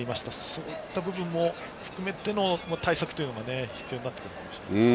そういった部分も含めての対策が必要になってくるかもしれません。